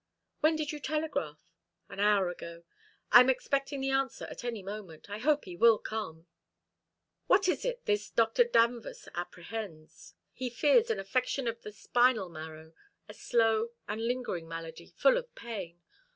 "When did you telegraph?" "An hour ago. I am expecting the answer at any moment. I hope he will come." "What is it this Dr. Danvers apprehends?" "He fears an affection of the spinal marrow, a slow and lingering malady, full of pain.